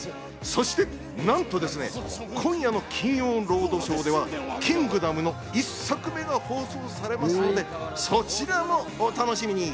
そしてなんとですね、今夜の『金曜ロードショー』では『キングダム』の１作目が放送されますので、そちらもお楽しみに！